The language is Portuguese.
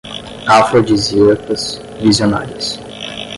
afrodisíacas, visionárias